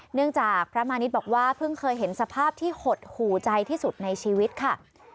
เนื่องจากพระมาณิชย์บอกว่าเพิ่งเคยเห็นสภาพที่หดหูใจที่สุดในชีวิตค่ะ